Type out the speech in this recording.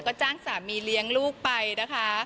ก็จ้างสามีเลี้ยงลูกไปนะคะ